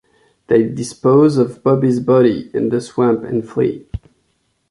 They dispose of Bobby's body in the swamp and flee.